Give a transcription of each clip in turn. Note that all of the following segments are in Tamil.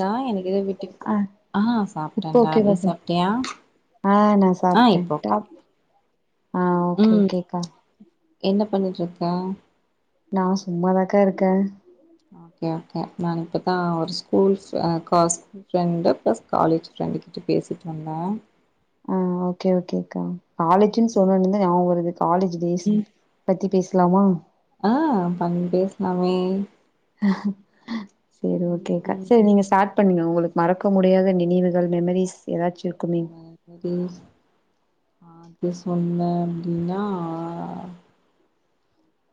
தா எனக் ஆ இப்ப நீ ஓகேவா பார் சாப்ட்டியா ஆ நான் ஆ சாப்பிட்டேன் இப்போ ஓகே டாப் ஆ ஓகே ம் ஓகேக்கா என்ன பண்ணிட்டுருக் நா சும்மாதாக்கா இருக்கே ஓகே ஓகே நான் இப்பத்தான் ஒரு school [unintelligible] friend plus college friend கிட்ட பேசிட்டு வந்த ஆ ஓகே ஓகே க்கா காலேஜுன் சொன்னணுமே நாபகம் காலேஜ் டேஸ் பத்தி பேஸ் க்லாமா அ பண் பேஸ்லாமே ஹ சரி ஓகேக்கா சரி நீங்க ஷாட் பண்ணுங்க உங்களுக் மறக்க முடியாத நினைவுகள் மெமரீஸ் எதாச்சு இருக்குமே ஆ அது சொன்னேன்னா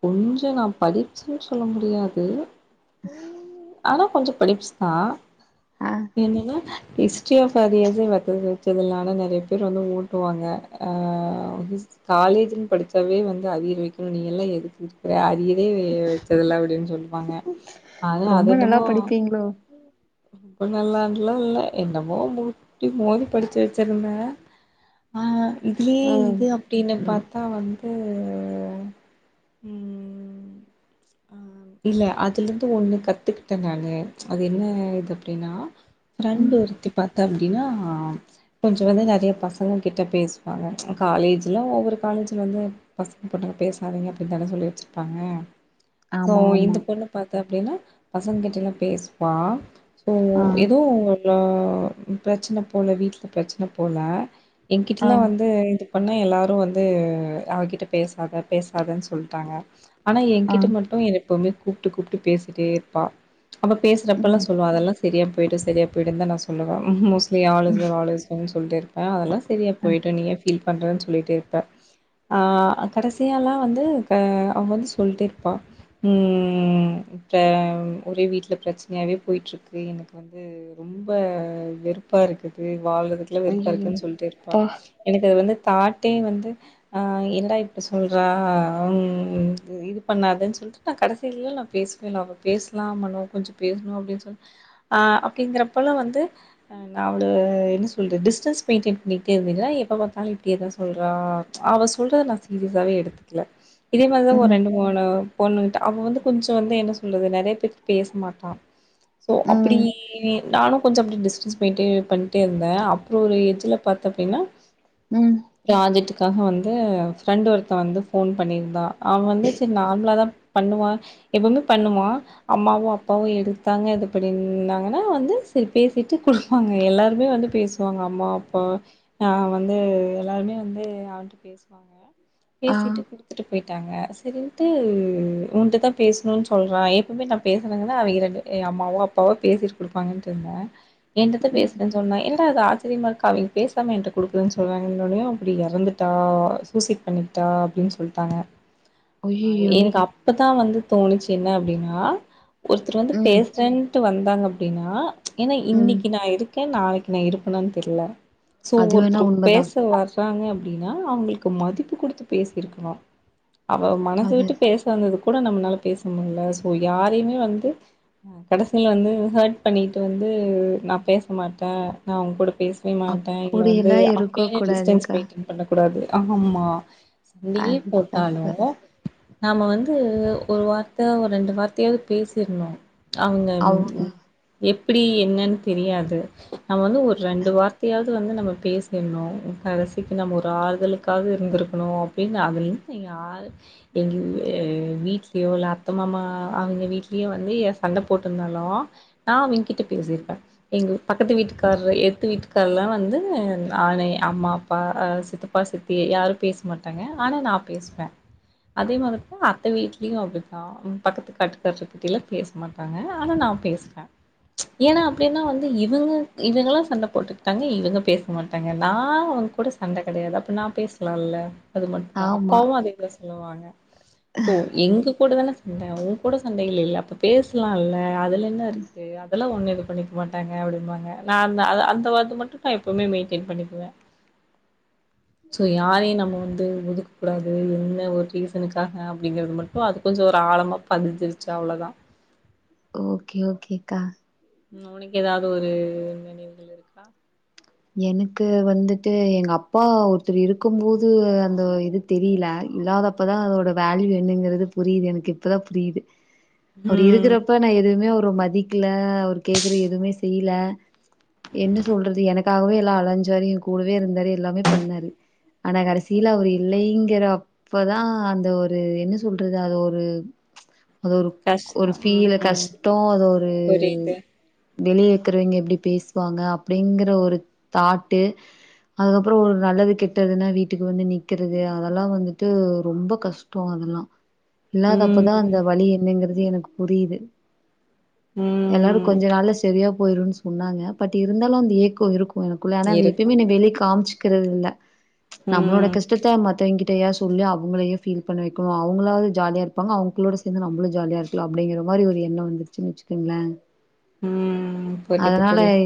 கொஞ்சோ நான் படிச்சேன் சொல்ல முடியாது உம் ஆனா கொஞ்ச படிப்ஸ் தா ஆ என்னது ஹிஸ்ட்ரி ஆஃப் அது எது [unintelligible] ஆனா நெறேய பேர் வந்து ஓட்டுவாங்க ஆ ஹிஸ் காலேஜுன் படிச்சாவே வந்து அரியர் வெக்கணும் நீயெல்லா எதுக் ர்க்கு அரியர் [unintelligible] வச்சதுல்ல அப்படின் சொல்லுவாங்க ஆனா ரொம்ப அது நல்லா என்னமோ படிப்பீங்களோ ம்ப நல்லாண்டுலா இல்ல என்னமோ முட்டி மோதி படிச்சு வச்சிருந்தே ஆஹ் இதுலேயே ஓ இது அப்டின்னு பார்த் தா வந்து உம் ஆஹ் இல்ல அதுலந்து ஒண்ணு கத்துக்கிட்டே நானு அது என்ன இது அப்படின்னா ஃப்ரெண்ட் ம் ஒருத்தி பாத்த அப்டினா கொஞ்சோ வந்து நெறய பசங்க கிட்ட பேசுவாங்க காலேஜ்ல ஒவ்வொரு காலேஜ்ல வந்து பசங்க பொண்ணுங்க பேசாதீங்க ப்படி தானே சொல்லி வச்சிருப்பாங்க சோ ஆமா ஆமா இந்த பொண்ணு பாத்தா அப்டினா பசங்க கிட்டல்லா பேசுவான் ஆ [unintelligible] இதுவூ நல்ல பிரச்சன போல வீட்ல பிரச்சன போல ஆ எங்கிட்டலா வந்து இது பண்ணா எல்லாரு வந்து அவகிட்ட பேசாத பேசாதன்னு சொ சொல்ட்டாங்க ஆனா ஆ என்கிட்ட மட்டு எப்பவுமே கூப்ட்டு கூப்ட்டு பேசிட்டே இருப்பா அவ பேசுறப்பெல்லா ம் சொல்லுவா அதெல்லா சரியா போயிடு சரியா போயிடுனுதா நா சொல்லுவ ம் மோஸ்ட் நீ all is well all is Wells சொல்ட்டே ருப்ப அதுலஸ் செரியா போய்ட்டு நீயே ஏ ஃபீல் பண்றேன்னு சொல்லிட்டே இருப்பே ஆஹ் கடைசியால்லா வந்து அ அவ வந்து சொல்லிட்டே இருப்பா ம் இப்ப ஒரே வீட்ல பிரச்சனையாவே போயிட்டுருக்கு எனக்கு வந்து ரொம்ப வெறுப்பா இருக்குது வாழ்றதுக்குல்லா வெறுப்பா ஐயையோ இருக்குன்னு சொல்லிட்டே ருப்பா அப்பா எனக்கு அது வந்து தாட்டே வந்து அ என்னடா இப்டி சொல்றா அம் இ இது பண்ணாதன்னு சொல்லிட்டு நா கடைசிலல நா பேசவே இல்ல அவ பேசலாம் லோ கொஞ்சோ பேசணு அப்படின்னு சொல்ல ஆ அப்படிங்கிறப்பல்லா வந்து ஹ நா அவள என்ன சொல்ற டிஸ்டன்ஸ் மெயின்டெின் பண்ணிட்டே இருந்தீங்ளா எப்ப பாத்தாலு இப்படியேதா சொல்றா அவ சொல்றத நா சீரியஸாவே எடுத்துக்கல இதே மாரிதான் ஒரு ம் ரெண்டு மூணு பொண்ணு கிட்ட அப்ப வந்து கொஞ்சோ வந்து என்ன சொல்றது நறைய பேருக்கு பேச மாட்டான் சோ அப்படி ம் நானும் கொஞ்சோ அப்படியே டிஸ்டன்ஸ் மெயின்டேன் பண்ட்டே இருந்த அப்புறம் ஒரு ஏஜில பாத்த அப்படின்னா ம் ப்ராஜெக்ட் க்காக வந்து ஃப்ரெண்டு ஒருத்தன் வந்து ஃபோன் பண்ணியிருந்தா அவன் வந்து சரி நார்மலா தா பண்ணுவா எப்பவுமே பண்ணுவா அம்மாவு அப்பாவு எடுத்தாங்க இது பண்ணிருந்தாங்கன்னா வந்து சரி பேசிட்டு குடுப்பாங்க எல்லாருமே வந்து பேசுவாங்க அம்மா அப்பா நா வந்து எல்லாருமே வந்து அவங்கிட் பேசுவோ வாங்க ஆ பேசிட்டு குடு ட்ங்க சரின்ட்டு உன்ட்தா பேசணுனு சொல்றா எப்பவுமே நா பேசுறேங்கன்னா அவங்க இரண்டு அம்மாவோ அப்பாவோ பேசிட்டு குடுப்பாங்கன்னட்டு இருந்த என்னட்ட த ம் பேசுறன்னு சொன்னா என் ட்ட அது ஆச்சரியமா இருக்கு அவங்க பேசாம என்ட்ட குடுக்குற சொல்ராங்க அப்படி இறந்துட்டா சூசைட் பண்ணிட்டா அப்படின்னு சொல்லிட்டு டாங்க அ அய்யய்யோ எனக்கு அப்பதா வந்து தோணுச்சு என்ன அப்படின்னா ஒருத்தர் வந்து ம் பேசுறேன்ட்டு வந் ந்தாங்க அப்படின்னா ஏனா ம் இன்னைக்கு நா இருக்கு எ நாளைக்கு நா இருப்பன தெரல சோ அது வேணா ஒருத்தர் உண்மதா பேச வரறாங்க அப் அப்டின்னா அவங்களுக்கு மதிப்பு குடுத்து பேசிருக்கணு அவ மனசு அது விட்டு பேச வந்ததுக் கூட நம்மளால பேச முட்ல சோ யாரையுமே வந்து கடைசில வந்து ஹர்ட் பண்ணிட்டு வந்து நா பேச மாட்ட நா அவங்க கூட பேசவே மாட்ட‌ இல்ல வந்து அப்படியெல்லா இருக்க அப்டியே டிஸ்டன்ஸ் கூடாதுக்கா மெயின்டென் பண்ணக்கூடாது ஆமா சந்திகீ அது தானோ தப்பு நாம வந்து ஒரு வார்த்த ஒரு ரெண்டு வார்த்தையாவது பேசிர்ணோ அவங்க ம் எப் இப்டி என்னன்னு தெரியாது நம்ம வந்து ஒரு ரெண்டு வார்த்தையாவது வந்து நம்ம பேசிட்ணு கடசிக்கு நம்ம ஒரு ஆறுதலுக்காவுது இருந்திருக்ணு அப்டின்னு அதுல் யு யார் எங் எவ் எ வீட்லயோ இல்ல அத்த மாமா அவங்க வீட்லயோ வந்து எ சண்ட போட்டிருந்தாலு நா அவங்கிட்ட பேசிருப்பே எங்க பக்கத்து வீட்டுக்காணரு எத்து வீட்டுக்கார்லா வந்து ஆனை அம்மா அப்பா சித்தப்பா சித்தி யாரு பேசமாட்டாங்க ஆனா நாப் பேசுவ அதே மாரிதா அத்த வீட்லயு அப்டித்தா பக்கத்து காட்டுக்காறுக்கிட்டேலா பேச மாட்டாங்க ஆனா நா பேசுவ ஏன்னா அப்டின்னா வந்து இவங்க இவங்களா சண்ட போட்டுக்கிட்டாங்க இவங்க பேச மாட்டாங்க நா அவங்க கூட சண்ட கெடையாது அப்ப நா பேசலால்ல அது மட்டுந் தா அப் ஆமா அப்பாவு அதேதா சொல்லுவாங்க சோ எங்க கூட தான சண்ட உங்கூட சண்ட இல்லல அப்ப பேசலால்ல அதுல என்னருக்கு அதெல்லா ஒண்ணுருக் பண்ணிக்க மாட்டாங்க அப்டிம்பாங்க நாந்த அத அந்த வார்த்த மட்டு நா எப்பவுமே மெயின்டென் பண்ணிக்குவ சோ யாரையு நம்ம வந் [unintelligible] இதுக் கூடாது என்ன ஒரு ரீசனுக்காக அப்டிங்கறது மட்டு அது கொஞ்சோ ஒரு ஆழமா பதிஞ்சிருச்சு அவ்ளோதா ஓகே ஓகேக்கா ம் உனக்கு ஏதாவது ஒரு நினைவுகள் இருக்கா எனக்கு வந்துட்டு எங்க அப்பா ஒருத்தர் இருக்கும் போது அந்த இது தெரியல இல்லாதப் ப்பதா அதோட ம் வேல்யூ என்னங்கிறதுப் புரியிது எனக்கு இப்போதா புரியிது அவர் ம் இருக்கறப்ப நா எதுவுமே அவுர் வ்ர மதிக்கல அவர் கேக்குற எதுவுமே செய்ல என்ன சொல்றது எனக் க்காகவே எல்லா அலைஞ்சாரு ஏங் கூடவே இருந்தாரு எல்லாமே பண்ணாரு ஆனா கடசீல அவரு இல்லைங்கற அப்பதா அந்த ஒரு என்ன சொல்றது அது ஒரு அது ஒரு ஒரு கஷ்டம் ஃபீல் ம் கஷ்டோ அது ஒரு புரியுது வெளியேக்கிறவைங்க எப்டி பேசுவாங்க அப்டிங்குற ஒரு தாட்டு அதுக்கப்புறோ ஒரு நல்லது கெட்டதுன்னா வீட்டுக்கு வந்து நிக்கிறது அதெல்லா வந்துட்டு ரொம்ப கஷ்டோ அதெல்லா இல்லாதப்பதா அந்த ம் வலி என்னங்குறது அது எனக்கு புரியிது எல்லாரு ம் கொஞ்சோ நாள்ள சரியாப் போயிருன்னு சொன்னாங்க பட் இருந்தாலு அந்த ஏக்கோ இருக்கு எனகுல அன அத இருக்கும் எப்பையுமே வெலி காமிச் இருக்கறதில்ல நம்ளோட ம் கஷ்டத்த மத்தவங்கி டெயா சொல்லி அவங்களே ஃபீல் பண்ண வைகணு அவங்களாவது ஜாலியா இருப்பாங்க அவங்களோட சேந்து நம்ளு ஜாலியா இருகலா அப்படிங்க மாதிரி ஒரு எண்ண வந்துருச்சி வச்சுக்கங்களே உஹம் ஒகே இப்ப புரிது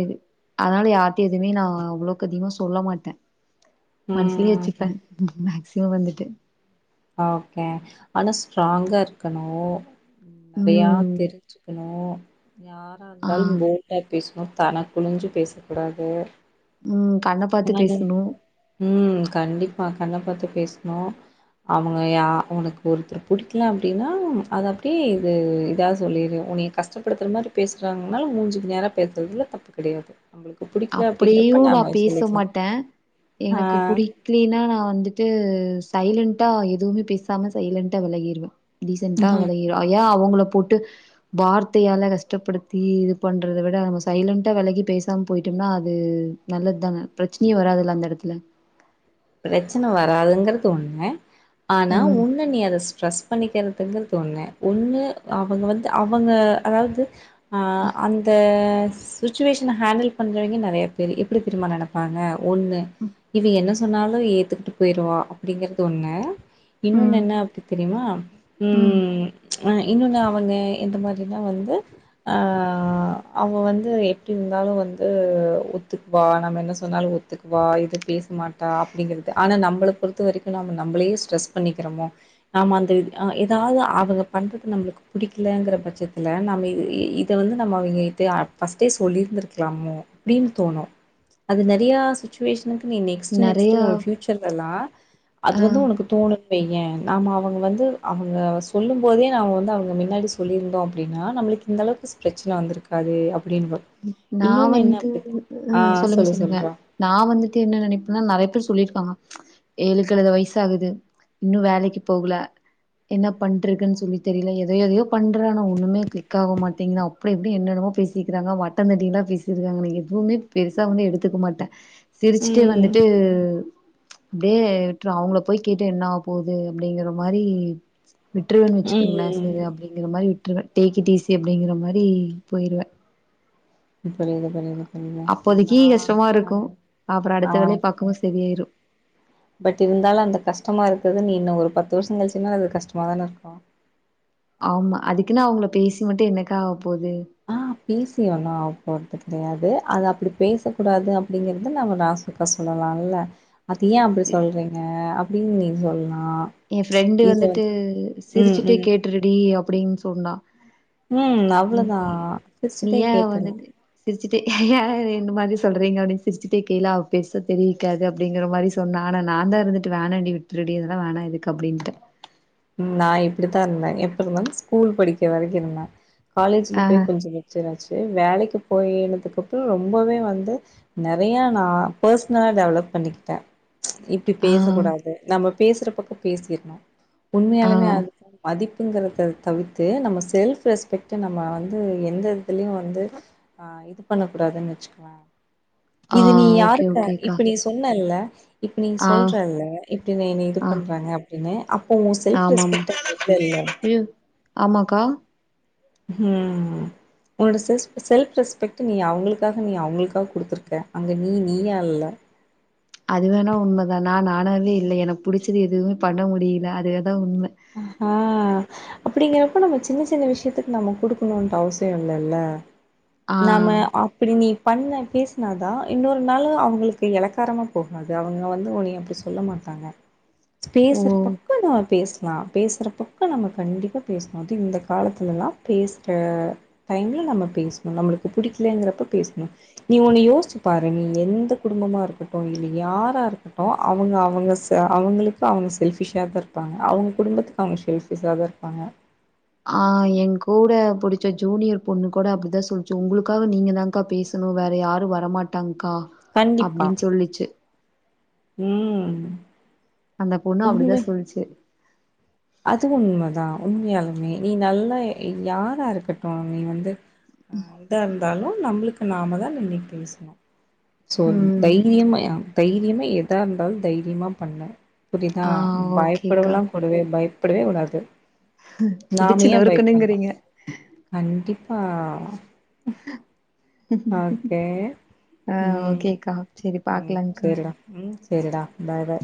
அதனாலயா எதுமே நா அவ்ளோக்கு அதிகமா சொல்ல மாட்ட மனசிலே வெச்சிப்ப ம் மேக்ஸ் இவ வந்துட்டு ஓகே ஆனா ஸ்ட்ராங்கா இருக்கணு நெறையா ம் தெரிஞ்சிகணு யாரா ஆ இருந்தாலு போல்டா பேசு தனக் குழிஞ்சு பேசக் கூடாது உம் [unintelligible] உம் கண்டிப்பா கண்ணப் பாத்து பேசுணு அவங்க ய உனக்கு ஒருத்தர் புடிக்கலா அப்டின்னா அத அப்டியே இது இதா சொல்லிரு உனய கஷ்டப்படுத்துற மாரி பேசுறாங்கனாலு மூஞ்சுக்கு நேர பேசுறதுல தப்பு கிடையாது நம்மளுக்கு புடிக்கல அப்டிங்கிறப்ப நாம [unintelligible] போ மாட்ட ஆ. எனக்கு புடிக்கிலின்னா நா வந்துட்டு து சைலன்டா எதுவுமே பேசாம சைலண்டா விலகிருவே டீசென்டா விளகிருவ யேன் அவங்ளுக் போட்டு வார்த்தையால கஷ்டப்படுத்தி இத பண்றத விட நம்ம சைலண்டா வெலகி பேசாம போயிட்டோம்னா அது நல்லதுதான பிரச்சனையே வராதுல்ல அந்த எடத்துல ப்ரச்சின வராதுங்கறது ஒண்ணு ஆனா ம். உன்ன நீ அத ஸ்ட்ரெஸ் பண்ணிக்கிறதுங்கருதுன்னு ஒண்ணு அவங்க வந்து அவங்க அதாவது ஆ அந்த ஸ்சுச்சுவேஷன ஹண்டில் பண்றவைங்கே நெறைய பேரு எப்டி தெரியுமா நெனைப்பாங்க ஒண்ணு இவ என்ன சொ து சொன்னாலு ஏத்துக்கிட்டு போயிடுவா அப்டிங்கிறது ஒன்னு இன்னொன்னு ம். என்ன அப்டி தெரியுமா ம். உம் ஆஹ் இன்னொன்னு அவங்க எந்த மா தின வந்து அ அவங்க வந்து எப்டி இருந்தாலு வந்து ஒத்துகுவா நம்ம என்ன சொன்னாலு ஒத்துகுவா எது பேச மாட்ட அப்டிங்கறது ஆனா நம்பள பொறுத்த வரைக்கு நாம நம்ளேயே ஸ்டரஸ் பண்ணிக்கிரமோ நாம அந்த அ ஏதாவது அவங்க பண்றத நம்ளுக்கு புடிக்கலங்கற பட்சத்துல நாம இ இத வந்து நம்ம அவிங்கிட்ட ஃபஸ்டே சொல்லியிருந்திருக்கலாமோ அப்டினு தோணு அது நெறைய சுச்சுவேஷன்கு நெக்ஸ்ட் நெக்ஸ்ட் நெறையா உன் பியூச்சர் எல்லா அது அ வந்து உனக்கு தோணு பைய நாம அவங்க வந்து அவங்க சொல்லும் போதே நாம வந்து அவங்க மின்னாடி சொல்லியிருந்தோ அப்டின்னா நம்மளுக்கு இந்த அளவுக்கு பிரச்சன வந்திருக்காது அப்டின்னு வரும். நா இன்னொன்னு என்ன வந்து அப்டி ஆ உம் சொல்லுங்க சொல்லு சொல்லுங்க சொல்றா நா வந்துட்டு என்ன நினைப்பேன்னா நெறைய பேர் சொல்லிருகாங்க ஏழு கழுத வயசகுது இன்னு வேலைக்கு போகல என்ன பண்டுருக்குன்னு சொல்லி தெரியல எத எதையோ பண்ற ஆனா ஒன்னுமே க்ளிக் ஆக மாட்டிங்குது அப்டி இப்டி னு என்னன்னுமோ பேசிக்ராங்க தந்தட்டீன்லா பேசிருக்காங்க நா எதுவுமே பெருசா ஒண்ணு எடுத்துக்க மாட்டே சிரிச்ட்டே ம் வந்துட்டு அப்டியே விட்டு அவங்கள போய் கேட்டு என்ன ஆ போகுது அப்படிங்கிற மாரி வட்டுறவேு வச்சுக்கங்களா ம் சரி அப்படிங்கிற மாரி விற்றுவேன் டேக் இட் ஈசி அப்படிங்கிற மாதிரி போயிருவேன் புரியது புரியது ஆ கஷ்டமா இருக்கு அப்புறோ ஆ அடுத்த வேலைய பாக்கும்போ சரியாயிரு பட் இருந்தாலும் அந்த கஷ்டமா இருக்கு நீ இன்னும் ஒரு பத்து வருஷம் கழச்சுன்னால அது கஷ்டமா தானே இருக்கும் ஆமா அதுக்குன்னா அவங்கள பேசி மட்டும் என்னக்கா ஆவ ஆ பேசிணு ஒன்ன போறதுக்கு கிடையாது அது அப்படி பேசக்கூடாது அப்படிங்கறத நம்ம நாசக்கா சொல்லலால அது ஏன் அப்படி சொல்றீங்க [unintelligible] நீ சொல் என் ஃப்ரெண்டு வந்துட்டு ம் சிரிச்சுட்டுே ம் கேட்டுருடி அப்படின்னு சொன்னா ம் நீ அவ்வளவுதான் கேட்கல சிரிச்சுக்கிடே ஏன் என்ன மாரி சொல்ுறீங்க அப்படின்னு சிரிச்சிட்டே கலா அவ பெச தெவிக்காது அப்படிங்கிற மாதிரி சொன்னா ஆனா நான் தான் இருந்துட்டு வோண்டி விட்டு திருடிெல்லாம் வேணாம் இதுக்கு இரு அப்படின்ட்டு நான் இப்படித்தான் இருந்தேன் எப்ப இருந்தாலும் ஸ்கூல் படிக்க வரைக்கும் இருந்தேன் காலேஜ்ல ஆ போய் கொஞ்சம் முச்சராச்சு வேலைக்கு போயனதுக்கு அப்புறம் ரொம்பவே வந்து நெறைய நான் பர்சனலா டெவலப் பண்ணிக்கிட்டேன் இப்படி ஆ பேச கூடாது நம்ம பேசுற பக்கம் பேசிடணும் ஆ உண்மையாலுமே அது அது பதி ங்கறத தவிர்த்து நம்ம செல்ப் ரெஸ்பெக்ட் நம்ம வந்து எந்த இதுலயும் வந்து ஆ இது பண்ண கூடாதுன்னு வச்சுக்கலோம் ஆ இது நீ ஓகே யாருக்க ஓகேக்கா இப்ப நீ சொன்னல்ல இப்ப நீ ஆ சொல்றல்ல இப்படி என்ன இது ஆ பண்றாங்க தினை அப் ஆமாமா அயூ ஆமாக்கா ம் ம் உன்னோட செல் செல்ப் உன்னுடைய செல்ப் ரெஸ்பெக்ட் நீ அவங்களுக்காக நீ அவங்களுக்காக குடுத்துருக்க அங்க நீ நீயா இல்ல அது வேணா உண்மதா நா நானாவே இல்லை எனக்கு புடிச்சது எதுவுமே பண்ண முடியல அதுவேதா உண்ம ஹ அப்படிங்கறப்ப நம்ம சின்ன சின்ன விஷயத்துக்கு நம்ம குடுக்கணும்ன்ற அவசிய இல்லல்ல ஆ நாம அப்படி நீ பண்ண பேசினாதா இன்னொரு நாள் அவங்களுக்கு இளக்காரமா போகாது அவங்க வந்து உன்னைய அப்படி சொல்ல மாட்டாங்க பேசிற ஓ பக்க நா பேஸ் லாம் பேசுற பக்க நம்ம கண்டிப்பா பேசணு அது இந்த காலத்துலலா பேசுற டைமில நம்ம பேசணு நம்மளுக்கு பிடிக்கலங்கிறப்ப பேசணு நீ ஒன்று யோசிச்சு பாரு நீ எந்த குடும்பமாக இருக்கட்டு இல்ல யாராக இருக்கட்டு அவங்க அவங்க அவங்களுக்கு அவங்க செல்ஃபிஷாக தா இருப்பாங்க அவங்க குடும்பத்துக்கு அவங்க ஷெல்ஃபீஸா தா இருப்பாங்க ஆஹ் எங்கூட புடிச்ச ஜூனியர் பொண்ணு கூட அப்டிதா சொல்லிச்சு உங்களுக்காக நீங்க தான்கா பேசணு வேற யாரு வரமாட்டாங்க க்கா கண்டிப்பா அப்டின்னு சொல்லிச்சு ம் அந்த பொண்ணு அப்டிதா உண்மை சொல்லிச்சு அது உண்மதா உண்மையாலுமே நீ நல்லா இ யாரா இருக்கட்டொ நீ வந்து ஆ இதா இருந்தாலு நம்ளுக்கு நாம தா நின்னீட் பேசணொ சோ ம் தைரியம யா தைரியமா எதா இருந்தாலு தைரியமா பண்ணு புரிதா ஆ ஓகேக்கா பயப்படவெல்லா கூடவே பய ப்படவே கூடாது ம் இடிச்சு ஏ நொறுக்குன்னுங்குறீங்க. ஆ ஹ ஆ ம் ஓகேக்கா செரி பாக்கலாங்கா செரிடா பாய் பாய்